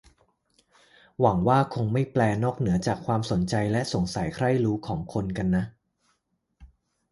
หวังว่าคงไม่แปล นอกเหนือจากความสนใจและสงสัยใคร่รู้ของคนกันนะ